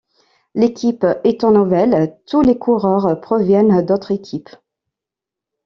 L'équipe étant nouvelle, tous les coureurs proviennent d'autres équipes.